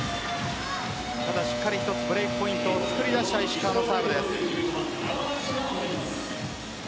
ただ、しっかり一つブレークポイントを作り出した石川のサーブです。